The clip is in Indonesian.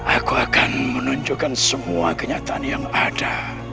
aku akan menunjukkan semua kenyataan yang ada